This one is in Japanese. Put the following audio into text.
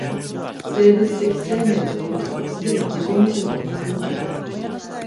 生物的生命といえども既に自己矛盾を含んでいる。